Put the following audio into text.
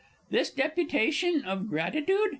This deputation of gratitude?